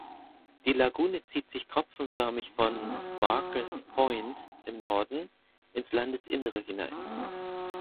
Die Lagune zieht sich tropfenförmig von "Barkers Point" im Norden ins Landesinnere hinein.